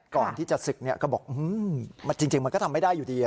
ก่อนที่จะศึกก็บอกจริงมันก็ทำไม่ได้อยู่ดี